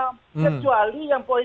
kecuali yang poin enam belas